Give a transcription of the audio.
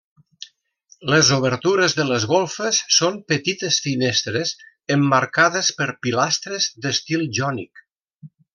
Les obertures de les golfes són petites finestres emmarcades per pilastres d'estil jònic.